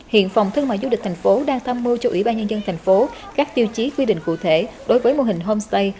hiện phòng thương mại du lịch thành phố đang tham mưu cho ủy ban nhân dân thành phố các tiêu chí quy định cụ thể đối với mô hình homestay